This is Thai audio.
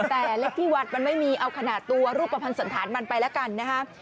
แต่เลขที่วัดมันไม่มีเอาขนาดตัวรูปภัณฑ์สันธารมันไปแล้วกันนะฮะ